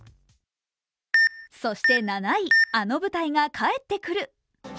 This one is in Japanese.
そして７位、あの舞台が帰ってくる。